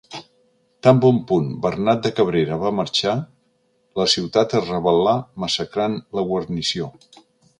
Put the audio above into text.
Tan bon punt Bernat de Cabrera va marxar, la ciutat es rebel·là massacrant la guarnició.